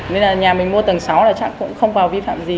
nên là nhà mình mua tầng sáu là chắc cũng không vào vi phạm gì